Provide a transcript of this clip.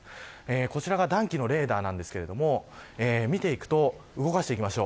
こちらが暖気のレーダーですが動かしていきましょう。